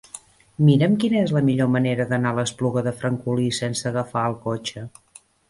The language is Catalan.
Mira'm quina és la millor manera d'anar a l'Espluga de Francolí sense agafar el cotxe.